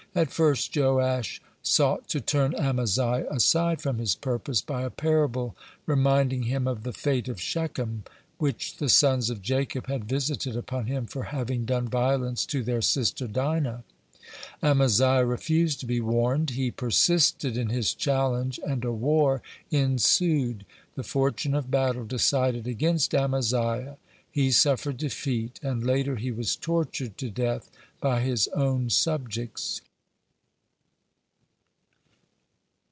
(17) At first Joash sought to turn Amaziah aside from his purpose by a parable reminding him of the fate of Shechem, which the sons of Jacob had visited upon him for having done violence to their sister Dinah. (18) Amaziah refused to be warned. He persisted in his challenge, and a war ensued. The fortune of battle decided against Amaziah. He suffered defeat, and later he was tortured to death by his own subjects.